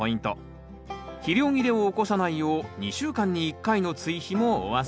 肥料切れを起こさないよう２週間に１回の追肥もお忘れなく。